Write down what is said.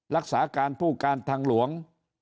รักษาการผู้การทางหลวง